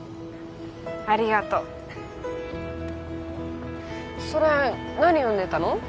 ありがとうそれ何読んでたの？